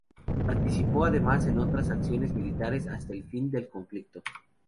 Participó además en otras acciones militares hasta el fin del conflicto.